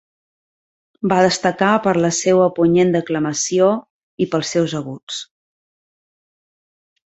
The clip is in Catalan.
Va destacar per la seua punyent declamació i pels seus aguts.